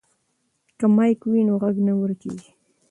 که مایک وي نو غږ نه ورکیږي.